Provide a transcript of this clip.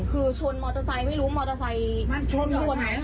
คือชนมอเตอร์ไซค์ไม่รู้มอเตอร์ไซค์ชนคนไหน